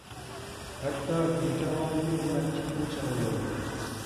ھەتتا كۈلكە ئاۋازىنىمۇ مەن ئىككىنچى ئاڭلىمىدىم.